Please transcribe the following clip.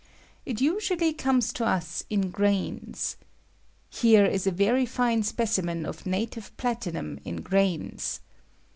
It usually comes to us in grains. Here is a very fine specimen of native platinum in grains.